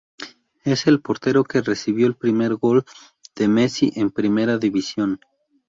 Es el portero que recibió el primer gol de Messi en Primera División.